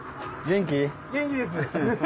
元気です。